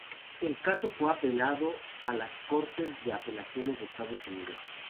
El caso fue apelado a las Cortes de Apelaciones de Estados Unidos.